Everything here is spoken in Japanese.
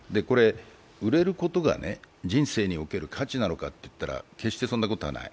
売れることが人生における価値なのかっていったら決してそうじゃない。